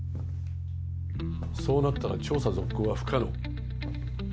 そうなったら調査続行は不可能。